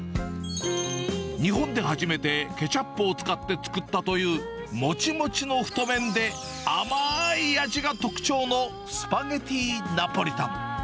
日本で初めてケチャップを使って作ったというもちもちの太麺で甘い味が特徴のスパゲティナポリタン。